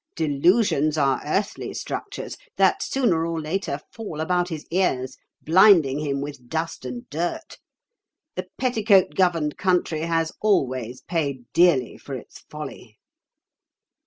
Delusions are earthly structures, that sooner or later fall about his ears, blinding him with dust and dirt. The petticoat governed country has always paid dearly for its folly."